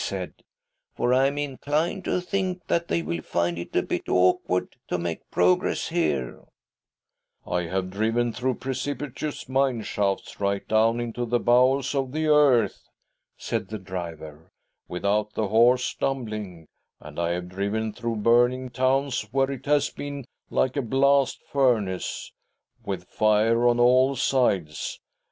said, "for I am inclined to think that they will find it a bit awkward to make progress here," " I have driven through precipitous mine shafts right down into the bowels of the earth," said the driver, " without the horse stumbling — and I have driven through burning towns where it has been like a blast furnace, with fire on all sides.